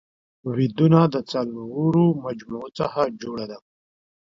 ويدونه د څلورو مجموعو څخه جوړه ده